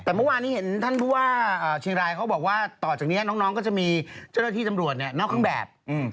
แต่เมื่อวานี้เห็นท่านบุว่าเชียงรายเขาบอกว่าต่อจากนี้น้องก็จะมีเจ้าเรือที่จำรวจเนี่ยน้องข้างแบบ